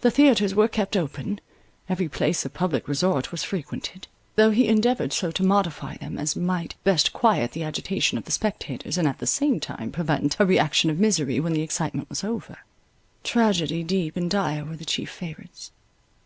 The theatres were kept open; every place of public resort was frequented; though he endeavoured so to modify them, as might best quiet the agitation of the spectators, and at the same time prevent a reaction of misery when the excitement was over. Tragedies deep and dire were the chief favourites.